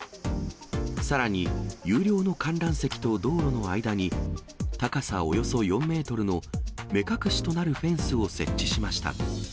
さらに有料の観覧席と道路の間に、高さおよそ４メートルの目隠しとなるフェンスを設置しました。